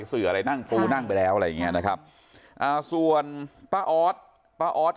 สื่ออะไรนั่งปูนั่งไปแล้วอะไรอย่างเงี้ยนะครับอ่าส่วนป้าออสป้าออส